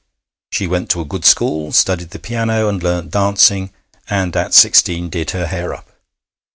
She went to a good school, studied the piano, and learnt dancing, and at sixteen did her hair up.